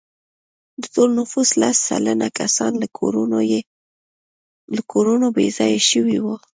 د ټول نفوس لس سلنه کسان له کورونو بې ځایه شوي وو.